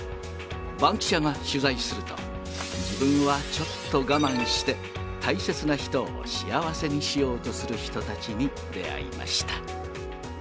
バンキシャが取材すると、自分はちょっと我慢して、大切な人を幸せにしようとする人たちに出会いました。